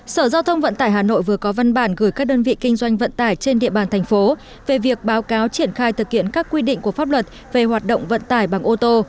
sở giao thông vận tải hà nội vừa có văn bản gửi các đơn vị kinh doanh vận tải trên địa bàn thành phố về việc báo cáo triển khai thực hiện các quy định của pháp luật về hoạt động vận tải bằng ô tô